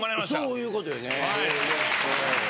そういうことよね。